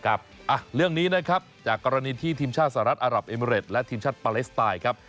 เรื่องนี้นะครับจากกรณีที่ทีมชาติสหรัฐอารับเอเมริตและทีมชาติปาเลสไตน์ครับ